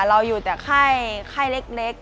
เราอยู่แต่ไข้เล็ก